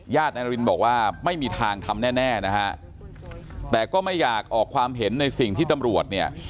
นายนารินบอกว่าไม่มีทางทำแน่แน่นะฮะแต่ก็ไม่อยากออกความเห็นในสิ่งที่ตำรวจเนี่ย